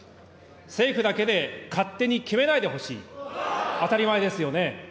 政府だけで勝手に決めないでほしい、当たり前ですよね。